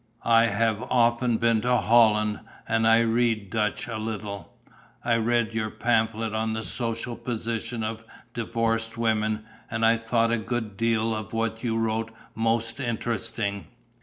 I have often been to Holland and I read Dutch a little. I read your pamphlet on The Social Position of Divorced Women and I thought a good deal of what you wrote most interesting."